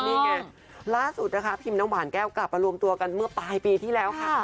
นี่ไงล่าสุดนะคะพิมน้ำหวานแก้วกลับมารวมตัวกันเมื่อปลายปีที่แล้วค่ะ